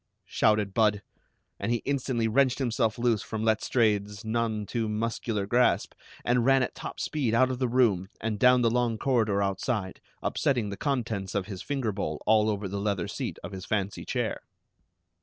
shouted Budd, and he instantly wrenched himself loose from Letstrayed's none too muscular grasp, and ran at top speed out of the room and down the long corridor outside, upsetting the contents of his finger bowl all over the leather seat of his fancy chair.